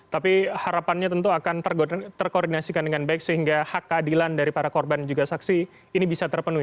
tapi harapannya tentu akan terkoordinasikan dengan baik sehingga hak keadilan dari para korban juga saksi ini bisa terpenuhi